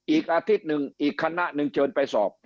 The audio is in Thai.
อีกอาทิตย์หนึ่งอีกคณะหนึ่งเชิญไปสอบ